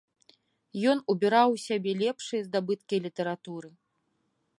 Ён убіраў у сябе лепшыя здабыткі літаратуры.